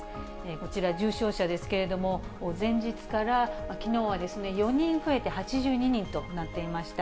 こちら重症者ですけれども、前日からきのうは４人増えて８２人となっていました。